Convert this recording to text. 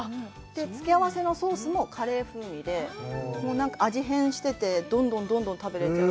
付け合わせのソースもカレー風味で、味変してて、どんどんどんどん食べれちゃう。